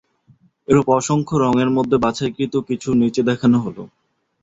এরূপ অসংখ্য রঙের মধ্যে বাছাইকৃত কিছু নিচে দেখানো হলো।